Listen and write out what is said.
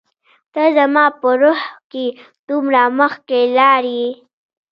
ته زما په روح کي دومره مخکي لاړ يي